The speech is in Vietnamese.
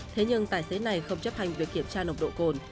thế nhưng tài xế này không chấp hành việc kiểm tra nồng độ cồn